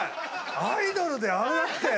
アイドルであんなって。